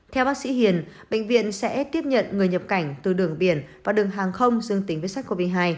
theo bác sĩ hiền bệnh viện sẽ tiếp nhận người nhập cảnh từ đường biển và đường hàng không dương tính với sars cov hai